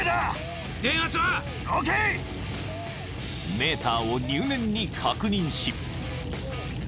［メーターを入念に確認し］